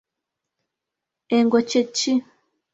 Engo kye ki?